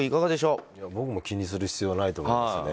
僕も気にする必要はないと思いますね。